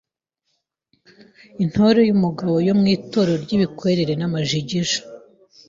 Intore y’umugabo yo mu Itorero ry’ibikwerere n’amajigija;